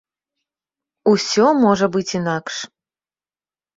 Усё можа быць інакш.